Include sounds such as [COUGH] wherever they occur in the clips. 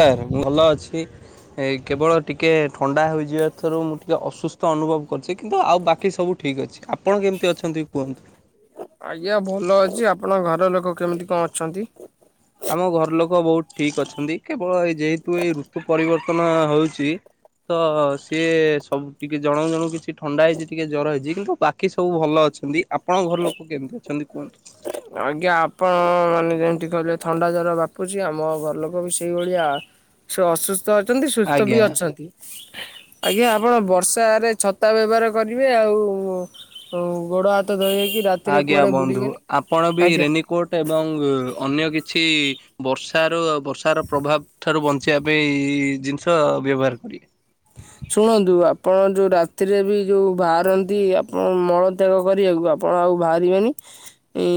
[UNINTELLIGIBLE] ଭଲ ଅଛି। ଏ କେବଳ ଟିକିଏ ଥଣ୍ଡା ହୋଇଯିବା ଥିରୁ ମୁଁ ଟିକିଏ ଅସୁସ୍ଥ ଅନୁଭବ କରିଛି କିନ୍ତୁ ଆଉ ବାକି ସବୁ ଠିକ୍ ଅଛି ଆପଣ କେମିତି ଅଛନ୍ତି କୁହନ୍ତୁ? ଆଜ୍ଞା ଭଲ ଅଛି ଆପଣଙ୍କ ଘର ଲୋକ କେମିତି କଣ ଅଛନ୍ତି? ଆମ ଘର ଲୋକ ବହୁତ ଠିକ ଅଛନ୍ତି କେବଳ ଏଇ ଯେହେତୁ ଏଇ ଋତୁ ପରିବର୍ତ୍ତନ ହଉଛି ତ ସିଏ ସବୁ ଟିକେ ଜଣ ଜଣୁ କିଛି ଥଣ୍ଡା ହେଇଛି ଟିକେ ଜର ହେଇଛି କିନ୍ତୁ ବାକି ସବୁ ଭଲ ଅଛନ୍ତି। ଆପଣଙ୍କ ଘର ଲୋକ କେମିତି ଅଛନ୍ତି କୁହନ୍ତୁ? ଆଜ୍ଞା ଆପଣ ମାନେ ଯେମିତି କହିଲେ ଥଣ୍ଡା ଜର ବାପୁଛି ଆମ ଘରଲୋକ ବି ସେଇଭଳିଆ ସେ ଅସୁସ୍ଥ ଅଛନ୍ତି ସୁସ୍ଥ ବି ଆଜ୍ଞା ଅଛନ୍ତି। ଆଜ୍ଞା ଆପଣ ବର୍ଷାରେ ଛତା ବ୍ୟବହାର କରିବେ ଆଉ ତ ଆଉ ଗୋଡ ହାତ ଧୋଇ ହୋଇକି ଆଜ୍ଞା ବନ୍ଧୁ ଆପଣ ବି ରେନି କୋଟ ଏବଂ ଅନ୍ୟ କିଛି ବର୍ଷାରୁ ବର୍ଷାର ପ୍ରଭାବ ଠାରୁ ବଞ୍ଚିବା ପାଇଁ ଜିନିଷ ବ୍ୟବହାର କରିବି। ଶୁଣନ୍ତୁ ଆପଣ ଯୋଉ ରାତିରେ ବି ଯୋଉ ବାହାରନ୍ତି ଆପଣ ମଳତ୍ୟାଗ କରିବାକୁ ଆପ ଆପଣ ଆଉ ବାହାରିବେନି ଇ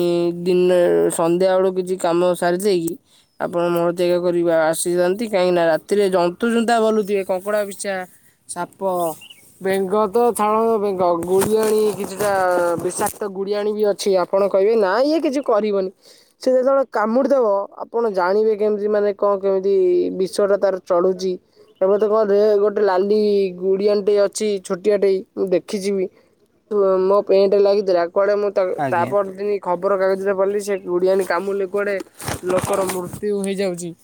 ଦିନ ସନ୍ଧ୍ୟାବେଳକୁ କିଛି କାମ ସାରି ଦେଇକି ଆପଣ ମଳତ୍ୟାଗ କରିବା ଆସିଥାନ୍ତି କାହିଁକିନା ରାତିରେ ଜନ୍ତୁ ଜୁନ୍ତା ଭଲୁଥିବେ କଙ୍କଡ଼ା ପିଛା ସାପ ବେଙ୍ଗ ତ ଛାଳ ବେଙ୍ଗ ଗୁଡ଼ିଆଣି କିଛିଟା ବିଷାକ୍ତ ଗୁଡ଼ିଆଣି ବି ଅଛି ଆ କଣ କହିବେ ନା ଇଏ କିଛି କରିବନି। ସେ ଯେତେବେଳେ କାମୁଡି ଦବ ଆପଣ ଜାଣିବେ କେମିତି ମାନେ କଣ କେମିତି ବିଶଟା ତାର ଚଳୁଛି। ଏ ମତେ କହେ [UNINTELLIGIBLE] ଗୋଟେ ଲାଲ ଇ ଗୁଡିଆନଟେ ଅଛି ଛୋଟିଆ ଟେ ମୁଁ ଦେଖିଛିିବି। ମୋ ପେଣ୍ଟରେ ଲାଗିଥିଲା କୁଆଡେ ମୁଁ ତା ଆଜ୍ଞା ତାପରି ଦିନ ଖବରକାଗଜରେ ପଡ଼ିଲି ସେ ଓଡ଼ିଆଣି କାମୁଲି କୁଆଡ଼େ ଲୋକର ମୃତ୍ୟୁ ହୋଇଯାଉଛି।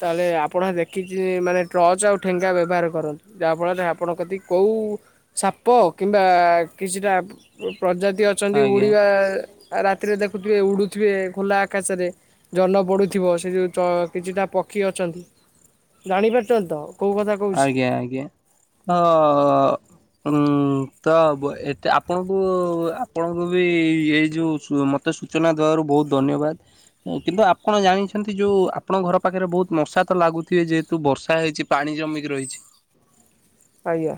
ତାହେଲେ ଆପଣ ଦେଖିଛି ମାନେ ଟର୍ଚ ଆଉ ଠେଙ୍ଗା ବ୍ୟବହାର କରନ୍ତୁ। ଯାହାଫଳରେ ଆପଣ କତିକି କୋଉଁ ସାପ କିମ୍ବା କିଛିଟା ପ୍ରଜାତି ଅଛନ୍ତି ଆଜ୍ଞା ଉଡ଼ିବା ରାତିରେ ଦେଖୁଥିବେ ଉଡ଼ୁଥିବେ ଖୋଲା ଆକାଶରେ। ଜନ ପଡ଼ୁଥିବ ସେ ଯେଉ କିଛିଟା ପକ୍ଷୀ ଅଛନ୍ତି ଜାଣିପାରୁଛନ୍ତି ତ। କୋଉ କଥା କହୁଛି ଆଜ୍ଞା ଆଜ୍ଞା ଆେ ଉଁ ତ ଏତେ ଆପଣଙ୍କୁ ଆପଣଙ୍କୁ ବି ଏଇ ଯୋଉ ତ ସୂଚନା ଦେବାରୁ ବହୁତ ଧନ୍ୟବାଦ। କିନ୍ତୁ ଆପଣ ଜାଣିଛନ୍ତି ଯୋଉ ଆପଣଙ୍କ ଘର ପାଖରେ ବହୁତ ମଶା ତ ଲାଗୁଥିବେ ଯେହେତୁ ବର୍ଷା ହେଇଛି ପାଣି ଜମିକି ରହିଛି ଆଜ୍ଞା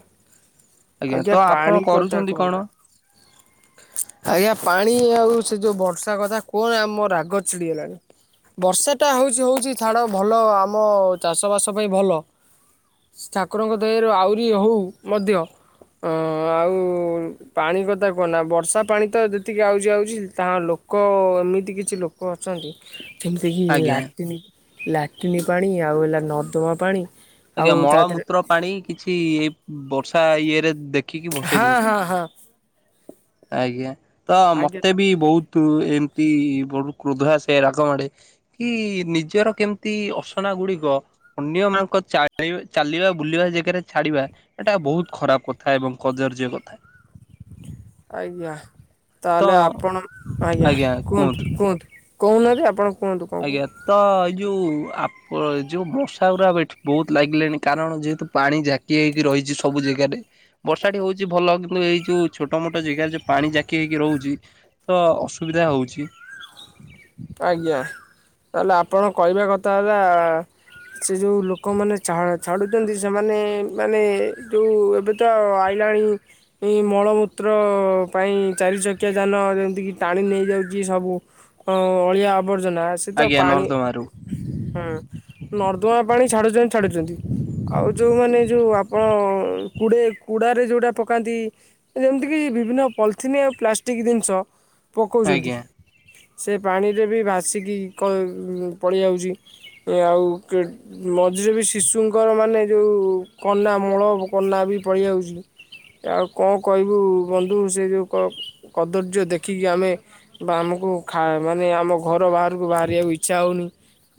ଆଜ୍ଞା ତ ଆପଣ ପାଣି କଥା କରୁଛନ୍ତି କୁହନା। କଣ। [INAUDIBLE] ଆଜ୍ଞା ପାଣି ଆଉ ସେ ଯୋଉ ବର୍ଷା କଥା କୁହନ ଆମ ରାଗ ଚିଡିଗଲାଣି। ବର୍ଷା ଟା ହଉଛି ହଉଛି ଛାଡ ଭଲ ଆମ ଚାଷ ବାସ ପାଇଁ ଭଲ। ଠାକୁରଙ୍କ ଦୟାରୁ ଆହୁରି ହଉ ମଧ୍ୟ। ହଁ ଆଉ ପାଣି କଥା କୁହନା ବର୍ଷା ପାଣି ତ ଯେତିକି ଆଉଛି ଆଉଛି ତାହା ଲୋକ ଲୋକ ଏମିତି କିଛି ଲୋକ ଅଛନ୍ତି। ଯେମିତିକି ଆଜ୍ଞା ଲାଟିନ ଲାଟିନ ପାଣି ଆଉ ହେଲା ନର୍ଦ୍ଦମା ପାଣି। ଆଜ୍ଞା ଆଉ ତା ଦେହରେ ମଳମୂତ୍ର ପାଣି କିଛି ଏଇ ବର୍ଷା ଇଏ ରେ ଦେଖ ହଁ ହଁ ହଁ। ଆଜ୍ଞା ତ ଆଜ୍ଞା ମତେ ତ ବି ବହୁତ ଏମିତି ବ କ୍ରୋଧା ଆସେ ରାଗ ମାଡେ। କି ନିଜର କେମିତି ଅସନା ଗୁଡିକ ଅନ୍ୟ ମାନଙ୍କ ଚା ଚାଲିବା ବୁଲିବା ଜାଗାରେ ଛାଡିବା ଏଟା ବହୁତ ଖରାପ କଥା ଏବଂ କଦର୍ଯ୍ୟ କଥା। ଆଜ୍ଞା ତ ତାହେଲେ ଆପଣ ଆଜ୍ଞା କୁହନ୍ତୁ କୁହନ୍ତୁ। କହୁନାହାନ୍ତି ଆପଣ। କୁହନ୍ତୁ କଣ କହୁ ଆଜ୍ଞା। ତ ଏଇ ଯୋଉ ଆପ ଯୋଉ ମଶା ଗୁଡ଼ା ଏଠି ବହୁତ ଲାଗିଲେଣି କାରଣ ଯେହେତୁ ପାଣି ଜାକି ହୋଇକି ରହିଛି ସବୁ ଜାଗାରେ। ବର୍ଷାଟି ହେଉଛି ଭଲ କିନ୍ତୁ ଏଇ ଯେଉଁ ଛୋଟମୋଟ ଜାଗାରେ ଯେଉଁ ପାଣି ଜାକି ହେଇକି ରହୁଛି। ତ ଅସୁବିଧା ହଉଛି। ଆଜ୍ଞା ତା ହେଲେ ଆପଣ କହିବା କଥା ହେଲା ସେ ଯେଉ ଲୋକମାନେ ଛାଡ଼ୁଛନ୍ତି ସେମାନେ ମାନେ ଯେଉ ଏବେ ତ ଆଇଲାଣି ଏ ମଳମୂତ୍ର ପାଇଁ ଚାରି ଚକିଆ ଯାନ ଯେମିତିକି ଟାଣି ନେଇଯାଉଛି ସବୁ ହଁ ଅଳିଆ ଆବର୍ଜନା ସେ ତ ଆଜ୍ଞା ପାଣି ନର୍ଦ୍ଦମାରୁ ହଁ ନର୍ଦ୍ଦମା ପାଣି ଛାଡୁଛନ୍ତି ଛାଡୁଛନ୍ତି ଆଉ ଯେଉଁମାନେ ଯେଉଁ ଆପଣ କୁଡ଼େ କୁଡ଼ାରେ ଯେଉଟା ପକାନ୍ତି ଯେମିତିକି ବିଭିନ୍ନ ପଲିଥିନ ଆଉ ପ୍ଲାଷ୍ଟିକ ଜିନିଷ ପକଉଛନ୍ତି। ଆଜ୍ଞା ସେ ପାଣିରେ ବି ଭାସିକି ପଳିଆଉଛି ଆଉ ମଝିରେ ବି ଶିଶୁଙ୍କର ମାନେ ଯେଉ କନା ମଳ କନା ବି ପଳିଆଉଛି ଆଉ କଣ କହିବୁ ବନ୍ଧୁ ସେ ଯୋଉ କଦର୍ଯ୍ୟ ଦେଖିକି ଆମେ ବା ଆମକୁ ଖା ମାନେ ଆମ ଘର ବାହାରକୁ ବାହାରିବାକୁ ଇଚ୍ଛା ହେଉନି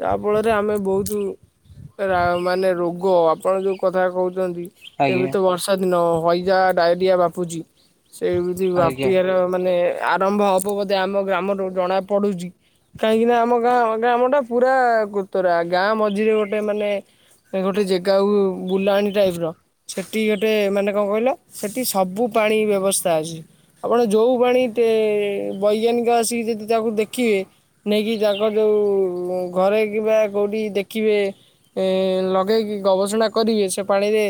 ଯାହାଫଳରେ ଆମେ ବହୁତ ମାନେ ରୋଗ ଆପଣ ଯୋଉ କଥା କହୁଛନ୍ତି। ଏବେ ଆଜ୍ଞା ତ ବର୍ଷା ଦିନ ହଇଜା ଡାଇରିଆ ବାପୁଛି ସେମିତି ଆଜ୍ଞା ବ୍ୟାପିବାର ମାନେ ଆରମ୍ଭ ହବ ବୋଧେ ଆମ ଗ୍ରାମରୁ ଜଣା ପଡୁଛି। କାହିଁକି ନା ଆମ ଗାଁ [UNINTELLIGIBLE] ପୁରା କୁତରା ଗାଁ ମଝିରେ ଗୋଟେ ମାନେ ଗୋଟେ ଜେକାବୁ ବୁଲାଣୀ ଟାଇପ ର ସେଠି ଗୋଟେ ମାନେ କଣ କହିଲ ସେଠି ସବୁ ପାଣି ବ୍ୟବସ୍ଥା ଅଛି। ଆପଣ ଯେଉ ପାଣି ବୈଜ୍ଞାନିକ ଆସିକି ଦେଖି ତାକୁ ଦେଖିବେ ନେଇକି ତାଙ୍କ ଯୋଉ ଘରେ କିବା କୋଉଠି ଦେଖିବେ ଏ ଲଗେଇକି ଗବେଷଣା କରିବେ ସେ ପାଣିରେ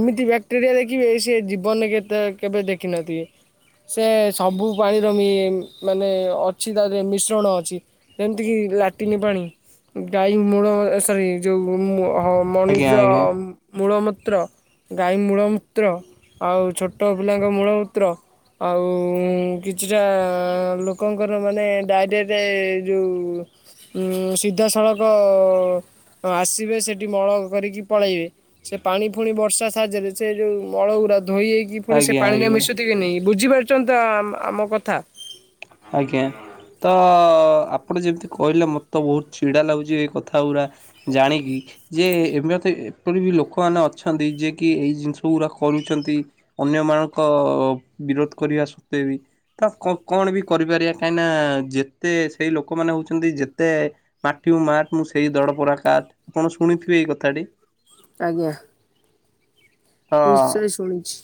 ଏମିତି ବ୍ୟାକ୍ଟେରିଆ ଦେ କିଏ ସେ ଜୀବନରେ କେତେ କେବେ ଦେଖିନଥିବେ। ସେ ସବୁ ପାଣିର ବି ଏମ୍ ମାନେ ଅଛି ତାରେ ମିଶ୍ରଣ ଅଛି। ଯେମିତି କି ଲାଟିନି ପାଣି। ଗାଈ ମୂଳ ସରି ଯୋଉ ମୁ ଆଜ୍ଞା ଆଜ୍ଞା ମନୁଷ୍ୟ ଆଜ୍ଞା ମୂଳମୂତ୍ର, ଗାଈ ମୂଳମୂତ୍ର ଆଉ ଛୋଟ ପିଲାଙ୍କ ମୂଳମୂତ୍ର ଆଉ କିଛିଟା ଲୋକ ଙ୍କର ମାନେ ଡାଇରେକ୍ଟ ଯୋଉ ଉଁ ସିଧାସଳଖ ଆସିବେ ସେଠି ମଳ କରିକି ପଳେଇବେ। ସେ ପାଣି ପୁଣି ବର୍ଷା ସାହାଯ୍ୟରେ ସେ ଯୋଉ ମଳ ଗୁରା ଧୋଇ ହେଇ କି ପୁଣି ସେ ଆଜ୍ଞା ପାଣିରେ ଆଜ୍ଞା। ମିଶୁଚି କି ନାହିଁ। ବୁଝିପାରୁଛନ୍ତି ତ ଆ ଆମ କଥା? ଆଜ୍ଞା। ତ ଆପଣ ଯେମିତି କହିଲେ ମୋତେ ବହୁତ ଚିଡ଼ା ଲାଗୁଚି ଏ କଥା ଗୁରା। ଜାଣିକି ଯେ ଏମିତି ଏପରି ବି ଲୋକମାନେ ଅଛନ୍ତି ଯିଏକି ଏଇ ଜିନିଷ ଗୁରା କରୁଛନ୍ତି। ଅନ୍ୟ ମାନଙ୍କ ବିରୋଧ କରିବା ସତ୍ୱେ ବି। ତା କ କଣ ବି କରିପାରିବା କାହିଁକିନା ଯେତେ ସେଇ ଲୋକମାନେ ହେଉଛନ୍ତି ଯେତେ ମାଠିବୁ ମାଠ ମୁଁ ସେଇ ଦର ପଡା କାଠ। ଆପଣ ଶୁଣିଥିବେ ଏଇ କଥାଟି। ଆଜ୍ଞା। ତ ନିଶ୍ଚୟ ଶୁଣିଛି।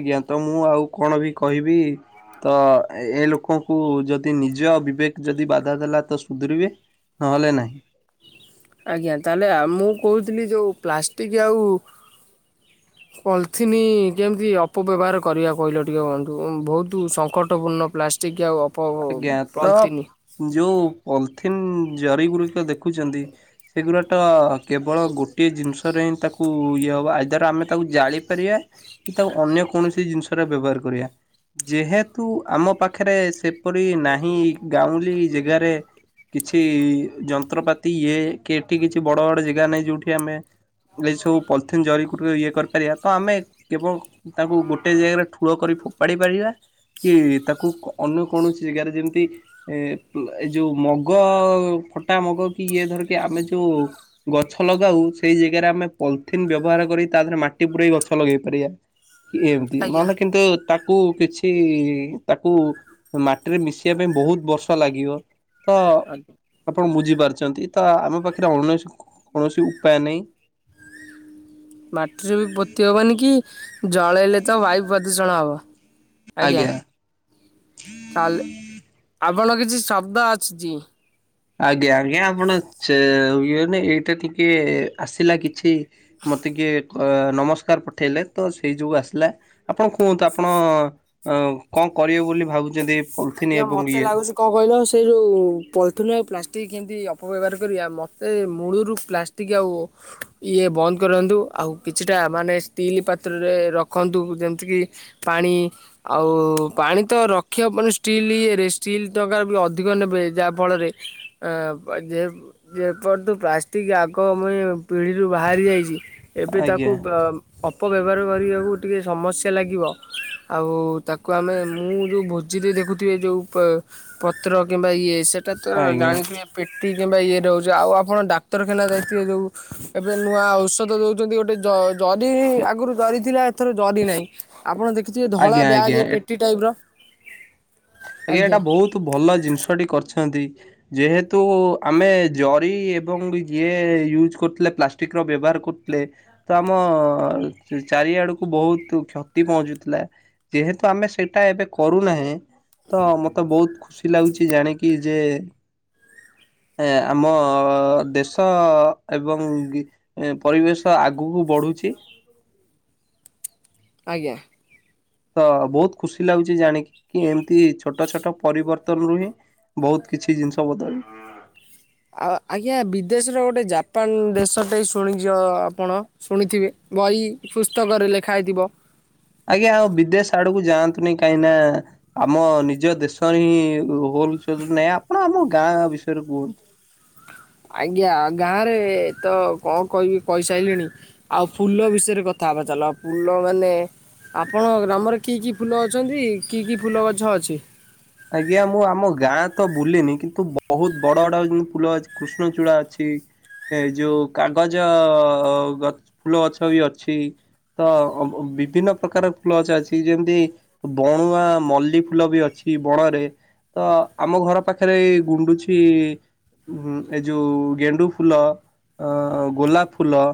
ଆଜ୍ଞା ତ ମୁଁ ଆଉ କଣ ବି କହିବି। ତ ଏ ଲୋକଙ୍କୁ ଯଦି ନିଜ ବିବେକ୍ ଯଦି ବାଧା ଦେଲା ତ ସୁଧୁରିବେ। ନହେଲେ ନାହିଁ। ଆଜ୍ଞା। ତାହେଲେ ଆ ମୁଁ କହୁଥିଲି ଯୋଉ ପ୍ଲାଷ୍ଟିକ୍ ଆଉ ପଲିଥିନ୍ ଯେମିତି ଅପବ୍ୟବହାର କରିବା କହିଲ ଟିକେ ବନ୍ଧୁ। ବହୁତ ସଙ୍କଟପୂର୍ଣ୍ଣ ପ୍ଲାଷ୍ ଷ୍ଟିକ୍ ଆଉ ଅପ ଭୋ ଆଜ୍ଞା ତ ପଲଥିନି। ଯୋଉ ପଲିଥିନ୍ ଜରି ଗୁରିକ ଦେଖୁଛନ୍ତି ସେଗୁରା ଟ କେବଳ ଗୋଟିଏ ଜିନିଷରେ ହିଁ ତାକୁ ଇଏ ହବ। ଆଇଦର୍ ଆମେ ତାକୁ ଜାଳିପାରିବା ତାକୁ ଅନ୍ୟ କୌଣସି ଜିନିଷ ରେ ବ୍ୟବହାର କରିବା। ଯେହେତୁ ଆମ ପାଖରେ ସେ ଏପରି ନାହିଁ ଗାଉଁଲି ଜାଗାରେ କିଛି ଯନ୍ତ୍ରପାତି ଇଏ କି ଏଠି କିଛି ବଡ ବଡ ଜାଗା ନାହିଁ ଯୋଉଠି ଆମେ ଏ ସବୁ ପଲିଥିନ୍ ଜରିି କୁ ଇଏ କରିପାରିବା। ତ ଆମେ କେବଳ ତାକୁ ଗୋଟେ ଜାଗାରେ ଠୁଳ କରି ଫୋପାଡ଼ି ପାରିବା। କି ତାକୁ ଅନୁ କୌଣସି ଜାଗାରେ ଯେମିତି ଏ ଏ ଯୋଉ ମଗ ଫଟା ମଗ କି ଇଏ ଧର କିି ଆମେ ଯୋଉ ଗଛ ଲଗାଉ, ସେଇ ଜାଗାରେ ଆମେ ପଲିଥିନ୍ ବ୍ୟବହାର କରି ତା ଦେହରେ ମାଟି ପୁରାଇ ଗଛ ଲଗେଇ ପାରିବା। କି ଏମତି। ଆଜ୍ଞା। ମାନେ କିନ୍ତୁ ତାକୁ କିଛି ତାକୁ ମାଟିରେ ମିଶିବା ପାଇଁ ବହୁତ ବର୍ଷ ଲାଗିବ। ତ [UNINTELLIGIBLE] ଆପଣ ବୁଝିପାରୁଛନ୍ତି। ତ ଆମ ପାଖରେ ଅଣ କୌଣସି ଉପାୟ ନାହିଁ। ମାଟି ରେ ବି ପୋତି ହବନି କି ଜଳେଇଲେ ତ ବାୟୁ ପ୍ରଦୂଷଣ ହବ। ଆଜ୍ଞା। ତାହଲେ ଆପଣଙ୍କ କିଛି ଶବ୍ଦ ଆସୁଚି। ଆଜ୍ଞା। ଆଜ୍ଞା ଆପଣ ଚେ ଇଏ ନେ ଏଇଟା ଟିକେ ଆସିଲା କିଛି ମୋତେ କିଏ ଅ ନମସ୍କାର ପଠେଇଲେ ତ ସେଇ ଯୋଗୁ ଆସିଲା। ଆପଣ କୁହନ୍ତୁ ଆପଣ ଅ କଣ କରିବେ ବୋଲି ଭାବୁଚନ୍ତି। ଆଜ୍ଞା ମତେ ଲାଗୁଚି କଣ କହିଲ ସେଇ ଯୋଉ ପଲିଥିନ୍ ଆଉ ପ୍ଲାଷ୍ଟିକ୍ କେମିତି ଅପବ୍ୟବହାର କରିବା ମୋତେ ମୂଳରୁ ପ୍ଲାଷ୍ ଷ୍ଟିକ୍ ଆଉ ଇଏ ବନ୍ଦ କରନ୍ତୁ। ଆଉ କିଛିଟା ମାନେ ଷ୍ଟିଲ୍ ପାତ୍ରରେ ରଖନ୍ତୁ। ଯେମିତି କିି ପାଣି ଆଉ ପାଣି ତ ରଖି ହବନି ଷ୍ଟିଲ୍ ଇଏରେ ଷ୍ଟିଲ୍ ଟଙ୍କା ବି ଅଧିକ ନେବେ ଯାହା ଫଳରେ [UNINTELLIGIBLE] ଦେଖନ୍ତୁ ପ୍ଲାଷ୍ଟିକ୍ ଆଗ ମୁଇ ପିଢ଼ିରୁ ବାହାରି ଯାଇଛି ଏବେ ତାକୁ ଆଜ୍ଞା ଅପବ୍ୟବହାର କରିବାକୁ ଟିକେ ସମସ୍ୟା ଲାଗିବ। ଆଉ ତାକୁ ଆମେ ମୁଁ ଯୋଉ ଭୋଜିରେ ଦେଖୁ ଥିବେ ଯୋଉ ପତ୍ର କିମ୍ବା ଇଏ ସେଇଟା ତ ଆଜ୍ଞା ଜାଣିଥିବେ ପେଟି କିମ୍ବା ଇଏ ରହୁଛି ଆଉ ଆପଣ ଡାକ୍ତରଖାନା ଯାଇଥିବେ ଯେଉଁ ଏବେ ନୂଆ ଔଷଧ ଦେଉଛନ୍ତି ଗୋଟେ ଜରି ଆଗରୁ ଜରି ଥିଲା ଏଥର ଜରି ନାହିଁ ଆପଣ ଦେଖିଥିବେ ଧଳା ଆଜ୍ଞା ବ୍ୟାଗ୍ ଆଜ୍ଞା ଏ ପେଟି ଟାଇପ ର ଆଜ୍ଞା ଏଇଟା ବୋହୁତ ଭଲ ଜିନିଷଟି କରିଛନ୍ତି। ଯେହେତୁ ଆମେ ଜରି ଏବଂ ଯିଏ ୟୁଜ କରୁଥିଲେ ପ୍ଲାଷ୍ଟିକ ଷ୍ଟିକ୍ ର ବ୍ୟବହାର କରୁଥିଲେ। ତ ଆମ ଚାରିଆଡକୁ ବୋହୁତ କ୍ଷତି ପହଞ୍ଚୁଥିଲା। ଯେହେତୁ ଆମେ ସେଟା ଏବେ କରୁନାହେଁ। ତ ମତେ ବହୁତ ଖୁସି ଲାଗୁଛି ଜାଣିକି ଯେ ଏ ଆମ ଦେଶ ଏବଂ ଗି ଏ ପରିବେଶ ଆଗକୁ ବଢୁଛି। ଆଜ୍ଞା। ତ ବହୁତ ଖୁସି ଲାଗୁଛି ଜାଣିକି କି ଏମିତି ଛୋଟ ଛୋଟ ପରିବର୍ତ୍ତନ ରୁହେଁ। ବହୁତ କିଛି ଜିନିଷ ବଦଳି ଆଉ ଆଜ୍ଞା ବିଦେଶର ଗୋଟେ ଜାପାନ ଦେଶଟେ ଶୁଣିଯ ଆପଣ। ଶୁଣିଥିବେ ବହି ପୁସ୍ତକରେ ଲେଖା ଥିବ। ଆଜ୍ଞା ଆଉ ବିଦେଶ ଆଡକୁ ଯାଆନ୍ତୁନି କାହିଁକ ନା। ଆମ ନିଜ ଦେଶ ହିଁ ହୋଲ [UNINTELLIGIBLE] ଆପଣ ଆମ ଗାଁ ବିଷୟରେ କୁହନ୍ତୁ। ଆଜ୍ଞା ଗାଁ ରେ ତ କଣ କହିବି କହିସାରିଲିଣି। ଆଉ ଫୁଲ ବିଷୟରେ କଥା ହବା ଚାଲ ଫୁଲ ମାନେ ଆପଣ ଗ୍ରାମରେ କି କି ଫୁଲ ଅଛନ୍ତି କି କି ଫୁଲ ଗଛ ଅଛି? ଆଜ୍ଞା ମୁଁ ଆମ ଗାଁ ତ ବୁଲିନି କିନ୍ତୁ ବୋହୁତ ବଡ ବଡ ଫୁଲ ଅଛି କୃଷ୍ଣଚୂଡା ଅଛି। ଏ ଯୋଉ କାଗଜ ଗ ଫୁଲ ଗଛ ବି ଅଛି। ତ ବିଭିନ୍ନ ପ୍ରକାର ଫୁଲ ଗଛ ଅଛି ଯେମତି ବଣୁଆ ମଲ୍ଲି ଫୁଲ ବି ଅଛି। ବଣରେ ତ ଆମ ଘର ପାଖରେଇ ଗୁଣ୍ଡୁଛି ଉଁ ଏ ଯଉ ଗେଣ୍ଡୁ ଫୁଲ ଅ ଗୋଲାପ ଫୁଲ।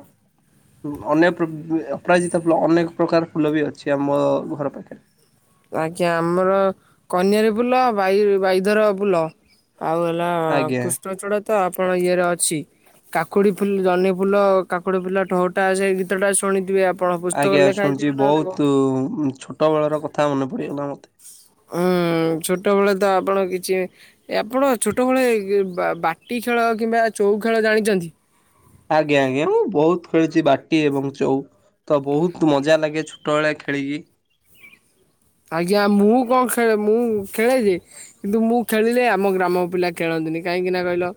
ଅନେ ଅ ଅପରାଜିତ ଫୁଲ ଅନେକ ପ୍ରକାର ଫୁଲ ବି ଅଛି ଆମ ଘର ପାଖରେ। ଆଜ୍ଞା ଆମର କନିଆରି ଫୁଲ ବାଇ ବାଇଧର ଫୁଲ। ଆଉ ହେଲା ଆଜ୍ଞା କୃଷ୍ଣଚୂଡ଼ା ତ ଆପଣ ଇଏରେ ଅଛି। କାକୁଡି ଫୁଲ ଜହ୍ନି ଫୁଲ କାକୁଡି ଫୁଲ ଠୋଟା ସେ ଗୀତଟା ଶୁଣିଥିବେ ଆ ଆଜ୍ଞା ଶୁଣିୁଛି ବୋହୁତ ଛୋଟ ବେଳର କଥା ମନେ ପଡିଗଲା ମତେ। ଉଁ ଛୋଟବେେଳେ ତ ଆପଣ କିଛି ଏ ଆପଣ ଛୋଟବେଳେ ବାଟି ଖେଳ କିମ୍ବା ଚଉ ଖେଳ ଜାଣିଛନ୍ତି? ଆଜ୍ଞା ଆଜ୍ଞା ମୁଁ ବୋହୁତ ଖେଳିଚି ବାଟି ଏବଂ ଆଉ ତ ବୋହୁତ ମଜା ଲାଗେ ଛୋଟବେଳେ ଖେଳିକି। ଆଜ୍ଞା ମୁଁ କଣ ଖେଳେ ମୁଁ ଖେଳେଯେ କିନ୍ତୁ ମୁଁ ଖେଳିଲେ ଆମ ଗ୍ରାମ ପିଲା ଖେଳନ୍ତିନି କାହିଁକିନା କହିଲ?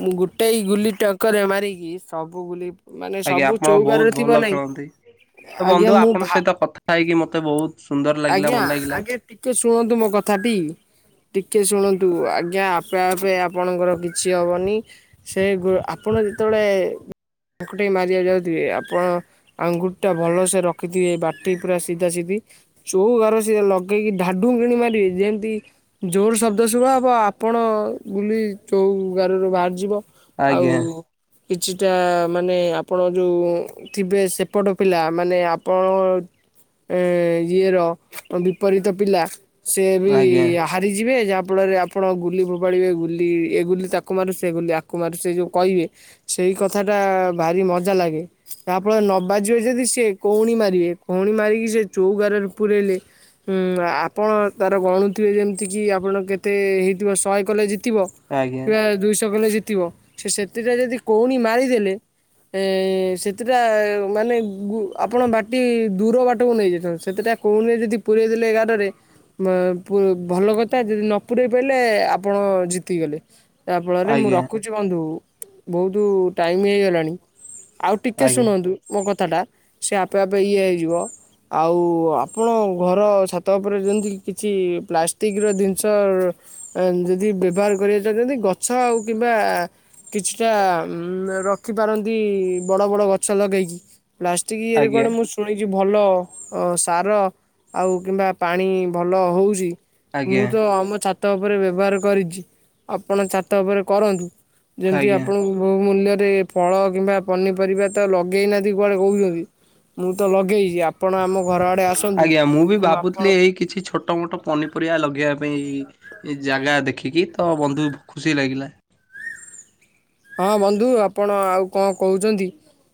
ମୁଁ ଗୋଟେଇ ଗୁଲି ଟଙ୍କରେ ମାରିକି ସବୁ ଗୁଲି ମାନେ ଆଜ୍ଞା ସବୁ ଆପଣ ବହୁତ ଚଉଗାରରେ ଭଲ ଥିବ ଖେଳନ୍ତି। ନାହିଁ ଆଜ୍ଞା ମୁଁ ଭା ଖାଇକି ମତେ ବୋହୂ ଆଜ୍ଞା ଆଜ୍ଞା ଟିକେ ଶୁଣନ୍ତୁ ମୋ କଥାଟି। ଟିକେ ଶୁଣନ୍ତୁ ଆଜ୍ଞା ଆପେ ଆପେ ଆପଣଙ୍କର କିଛି ହବନି। ସେ ଆପଣ ଯେତେବେଳେ ହାକୁଟି ମାରିବାକୁ ଯାଉଥିବେ ଆପଣ ଆଙ୍ଗୁଟି ଟା ଭଲସେ ରଖିଥିବେ ଏ ବାଟି ପୁରା ସିଧା ସି ଚୋଉ ଘର ସି ଲଗେଇକି ଢାଡୁ କିଣି ମାରିବେ ଯେମତି ଜୋର୍ ଶବ୍ଦ ଶୁଭା ହବ ଆପଣ ବୁଲି ଚୋଉ ଗାରରୁ ବାହାରିଯିବ। ଆଉ ଆଜ୍ଞା। କିଛିଟା ମାନେ ଆପଣ ଯୋଉ। ଥିବେ ସେପଟ ପିଲା ମାନେ ଆପଣ ଏ ଇ ଇଏର ବିପରୀତ ପିଲା ସେଏ ଆଜ୍ଞା ବିଆହାଟ୍ ନେଇଯିବେ ଯାହାଫଳରେ ଆପଣ ଗୁଲି ଫୋପାଡ଼ିବେ ଗୁଲି ଏ ଗୁଲି ତାକୁ ମାରୁ ସେ ଗୁଲି ଆକୁ ମାରୁ ସେ ଯୋଉ କହିବେ ସେଇ କଥାଟା ଭାରି ମଜା ଲାଗେ। ତାହା ଫଳରେ ନବାଜିବ ଯଦି ସେ କୋହୁଣି ମାରିବେ କୋହୁଣି ଇମୀମାରିକି ସେ ଯୋଉ ଗାରରେ ପୂୁରଇଲେ ହୁଁ ଆପଣ ତାର ଗଣୁଥିବେ ଯେମିତିକି ଆପଣ କେତେ ହେଇଥିବ ଶହେ କଲେ ଜିତିବ। ଆଜ୍ଞା ପିଲା ଦୁଇଶହ କଲେ ଜିତିବ ସେ ସେଥିଟା ଯଦି କହୁଣୀ ମାରିଦେଲେ ଏ ସେଥିଟା ମାନେ ଗୁ ଆପଣ ବାଟି ଦୂର ବାଟକୁ ନେଇଯାଇଚନ୍ତି। ସେତେଟା [UNINTELLIGIBLE] ଯଦି ପୁରେଇ ଦେଲେ ଏ ଗାରରେ ମଁ ପୁ ଭଲ କଥା ଯଦି ନ ପୁରେଇ ପାଇଲେ ଆପଣ ଜିତିଗଲେ। ତା ଫଳରେ ମୁଁ ଆଜ୍ଞା ରଖୁଚି ବନ୍ଧୁ ବହୁତ ଟାଇମ୍ ହେଇଗଲାଣି। ଆଉ ଟିକେ ଆଜ୍ଞା ଶୁଣନ୍ତୁ ମୋ କଥାଟା ସେ ଆପେ ଆପେ ଇଏ ହେଇଯିବ। ଆଉ ଆପଣ ଘର ଛାତ ଉପରେ ଯେମିତି କିଛି ପ୍ଲାଷ୍ଟିକ ର ଜିନିଷ ଯଦି ବ୍ୟବହାର କରିବା ଜାଣିଚନ୍ତି ଗଛ ଆଉ କିମ୍ବା କିଛିଟା ଉଁ ରଖିପାରନ୍ତି ବଡ ବଡ ଗଛ ଲଗେଇକି। ପ୍ଲାଷ୍ଟିକ ଇଏରେ ଆଜ୍ଞା କୁଆଡେ ମୁଁ ଶୁଣିଚି ଭଲ ଅସ୍ ସାର ଆଉ କିମ୍ବା ପାଣି ଭଲ ହଉଚି। ଆଜ୍ଞା ମୁଁ ଆଜ୍ଞା ତ ଆମ ଛାତ୍ ତ ଉପରେ ବ୍ୟବହାର କରିଚି ଆପଣ ଛାତ ଉପରେ କରନ୍ତୁ। ଯେମିତି ଆଜ୍ଞା। ଆପଣଙ୍କୁ ବହୁ ମୂଲ୍ୟରେ ଫଳ କିମ୍ବା ପନିପରିବା ତ ଲଗେଇନାହାନ୍ତି କୁଆଡେ କହୁଚନ୍ତି। ମୁଁ ତ ଲଗେଇଚି ଆପଣ ଆମ ଆଡେ ଆସନ୍ତୁ ଆଜ୍ଞା, ମୁଁ ବି ଭାବୁଥିଲି ଏଇ କିଛି ଛୋଟ୍ ଛୋଟମୋଟ ପନିପରିବା ଲଗେଇବା ପାଇଁ ଜାଗା ଦେଖିକି ତ ବନ୍ଧୁ ଖୁସି ଲାଗିଲା। ହଁ ବନ୍ଧୁ ଆପଣ ଆଉ କଣ କଉଚନ୍ତି?